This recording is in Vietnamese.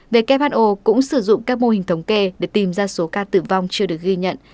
who cũng sử dụng các mô hình thống kê để tìm ra số ca tử vong chưa được ghi nhận